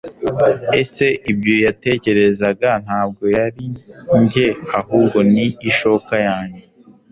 Ese ibyo yatekerezaga ntabwo ari njye ahubwo ni ishoka yanjye